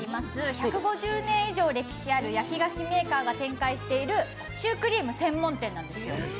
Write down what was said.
１５０年以上歴史がある焼き菓子メーカーが展開しているシュークリーム専門店なんですよ。